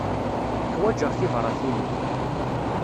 Ḥwaǧeɣ tibratin-a.